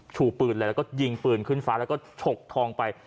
ชูปืนเลยแล้วก็ยิงปืนขึ้นฟ้าแล้วก็ฉกทองไป